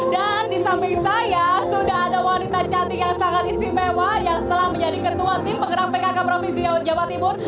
dan di samping saya sudah ada wanita cantik yang sangat istimewa yang setelah menjadi ketua tim penggerak pkk provinsi jawa timur